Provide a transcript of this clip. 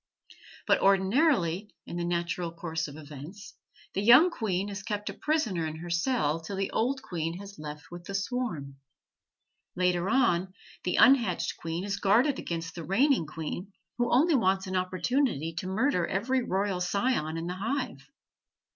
But ordinarily, in the natural course of events, the young queen is kept a prisoner in her cell till the old queen has left with the swarm. Later on, the unhatched queen is guarded against the reigning queen, who only wants an opportunity to murder every royal scion in the hive.